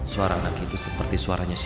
suara anak itu seperti suaranya